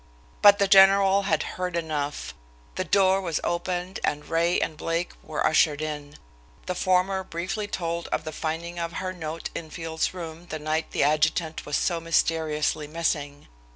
But the general had heard enough. The door was opened and Ray and Blake were ushered in. The former briefly told of the finding of her note in Field's room the night the adjutant was so mysteriously missing.